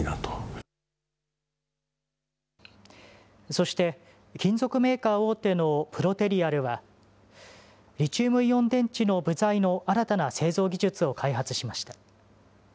そして、金属メーカー大手のプロテリアルは、リチウムイオン電池の部材の新たな製造技術を開発しました。